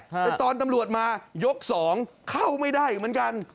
แต่ตอนตำรวจมายก๒เข้าไม่ได้อีกเหมือนกัน